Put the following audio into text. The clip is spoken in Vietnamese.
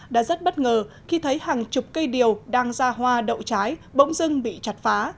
đã rất bất ngờ khi thấy hàng chục cây điều đang ra hoa đậu trái bỗng dưng bị chặt phá